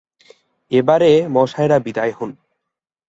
এবারে মশায়রা বিদায় হোন।